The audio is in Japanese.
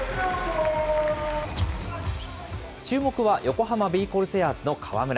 注目は横浜ビー・コルセアーズの河村。